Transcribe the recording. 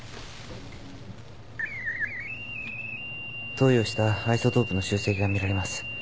投与したアイソトープの集積が見られます。